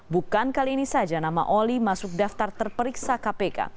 bukan kali ini saja nama oli masuk daftar terperiksa kpk